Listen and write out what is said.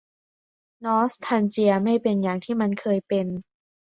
นอสทัลเจียไม่เป็นอย่างที่มันเคยเป็น